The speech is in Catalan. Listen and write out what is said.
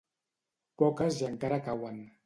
Poques i encara cauen.